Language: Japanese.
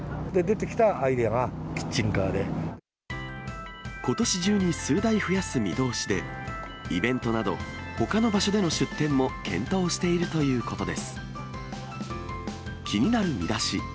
出てきたアイデアがキッチンカーことし中に数台増やす見通しで、イベントなどほかの場所での出店も検討しているということです。